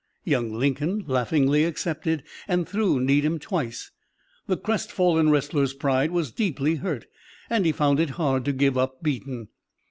Young Lincoln laughingly accepted and threw Needham twice. The crestfallen wrestler's pride was deeply hurt, and he found it hard to give up beaten.